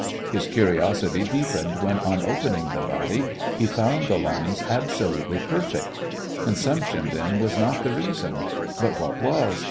His curiosity deepened when on opening the body he found the lungs absolutely perfect. Consumption then was not the reason. But what was?